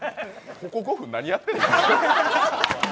ここ５分何やってんの？